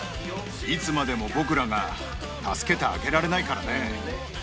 いつまでも僕らが助けてあげられないからね。